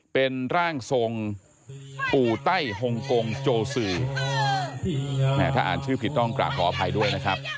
เป็นร่างทรงปู่ไต้ฮงกงโจซือแม่ถ้าอ่านชื่อผิดต้องกราบขออภัยด้วยนะครับ